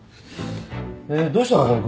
えっどうしたの？